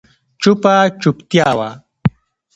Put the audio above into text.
چوپه چوپتیا وه.